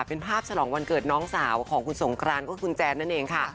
เป็นภาพฉลองวันเกิดน้องสาวของคุณสงกรานก็คือคุณแจนนั่นเองค่ะ